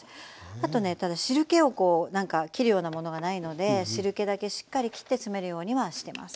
あとねただ汁けをこう何かきるようなものがないので汁けだけしっかりきって詰めるようにはしてます。